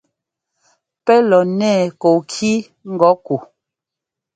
Pɛ́ lɔ nɛɛ kɔɔkí ŋgɔ̌ ku?